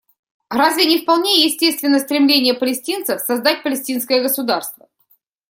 Разве не вполне естественно стремление палестинцев создать палестинское государство?